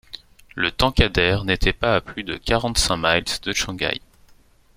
la Tankadère n’était pas à plus de quarante-cinq milles de Shangaï.